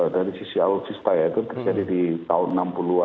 dari sisi alutsista ya itu terjadi di tahun enam puluh an